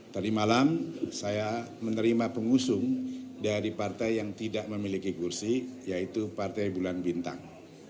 tadi malam saya menerima pengusung dari partai yang tidak memiliki kursi yaitu partai bulan bintang